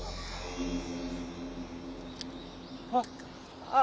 あっあぁ！